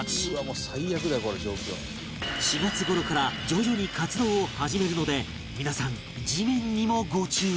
「もう最悪だよこの状況」４月頃から徐々に活動を始めるので皆さん地面にもご注意を